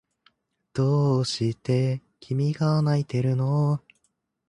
どうして君が泣いているの？